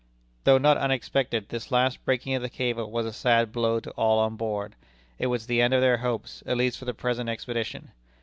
Though not unexpected, this last breaking of the cable was a sad blow to all on board. It was the end of their hopes, at least for the present expedition.